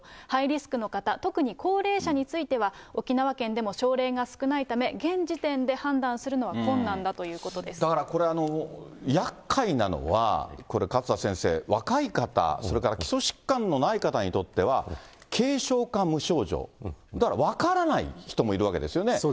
ハイリスクの方、特に高齢者については、沖縄県でも症例が少ないため、現時点で判断するのは困難だというだからこれ、やっかいなのは、これ、勝田先生、若い方、それから基礎疾患のない方にとっては、軽症か無症状、だから分からない人もいるわけですよね。